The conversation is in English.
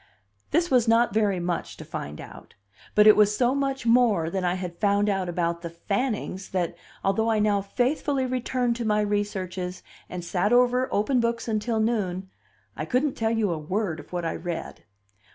This was not very much to find out; but it was so much more than I had found out about the Fannings that, although I now faithfully returned to my researches, and sat over open books until noon, I couldn't tell you a word of what I read.